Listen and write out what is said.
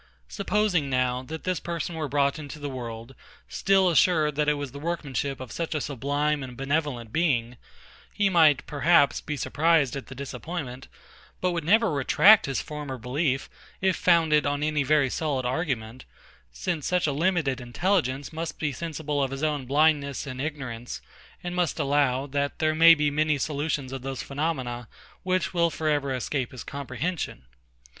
Supposing now, that this person were brought into the world, still assured that it was the workmanship of such a sublime and benevolent Being; he might, perhaps, be surprised at the disappointment; but would never retract his former belief, if founded on any very solid argument; since such a limited intelligence must be sensible of his own blindness and ignorance, and must allow, that there may be many solutions of those phenomena, which will for ever escape his comprehension.